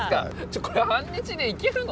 これ半日でいけるの？